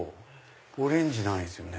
オレンジないですよね。